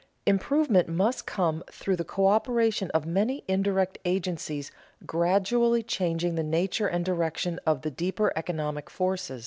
Improvement must come through the coöperation of many indirect agencies gradually changing the nature and direction of the deeper economic forces.